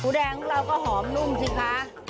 หมูแดงเราก็หอมนุ่มสิคะ